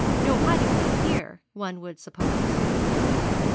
No hiding place here, one would suppose.